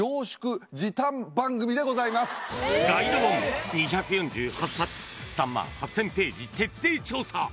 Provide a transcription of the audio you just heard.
ガイド本２４８冊３万８０００ページ徹底調査。